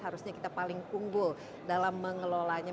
harusnya kita paling unggul dalam mengelolanya